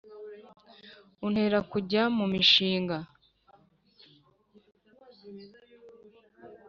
Untera kujya mumishinga